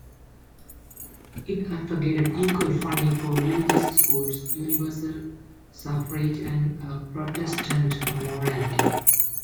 It advocated equal funding for religious schools, universal suffrage and Protestant morality.